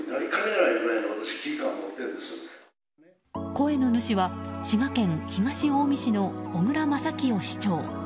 声の主は滋賀県東近江市の小椋正清市長。